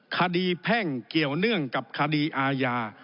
แพ่งเกี่ยวเนื่องกับคดีอาญา